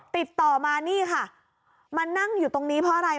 ติดต่อมานี่ค่ะมานั่งอยู่ตรงนี้เพราะอะไร